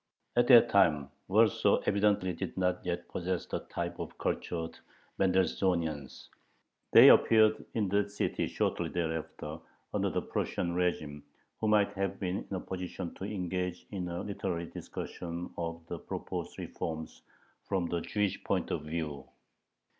At that time Warsaw evidently did not yet possess the type of cultured Mendelssohnians they appeared in that city shortly thereafter, under the Prussian régime who might have been in a position to engage in a literary discussion of the proposed reforms from the Jewish point of view.